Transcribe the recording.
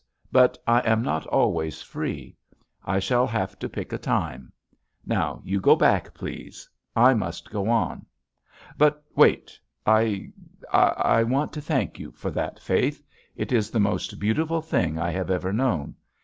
But I am not always free. I shall have to pick a time. Now, you go back, please. I must go on. But wait — I — I want to thank you for that faith. It is the most beautiful thing I have ever known.